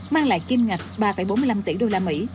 mang lại kim ngạch ba bốn mươi năm tỷ usd